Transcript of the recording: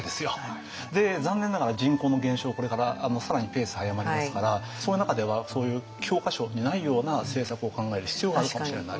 これから更にペース速まりますからその中ではそういう教科書にないような政策を考える必要があるかもしれない。